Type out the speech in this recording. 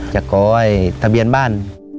จะก่อให้ทะเบียนบ้าน